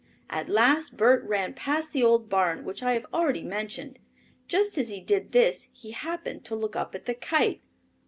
At last Bert ran past the old barn which I have already mentioned. Just as he did this he happened to look up at the kite.